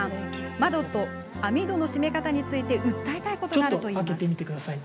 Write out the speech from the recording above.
窓と網戸の閉め方について訴えたいことがあるといいます。